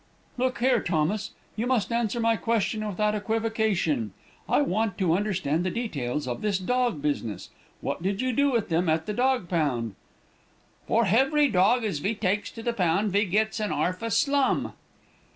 "'Look here, Thomas, you must answer my question without equivocation. I want to understand the details of this dog business. What did you do with them at the dog pound?' "'For hevery dog as ve takes to the pound ve gets an 'arf a slum.'